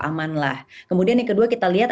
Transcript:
aman lah kemudian yang kedua kita lihat